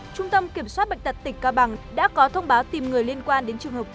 trung tâm kiểm soát bệnh tật tỉnh cao bằng đã có thông báo tìm người liên quan đến trường hợp